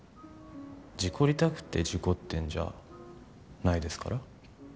事故りたくて事故ってんじゃないですから。